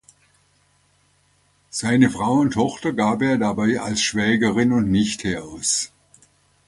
Seine Frau und Tochter gab er dabei als Schwägerin und Nichte aus.